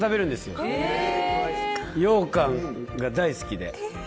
ようかんが大好きで。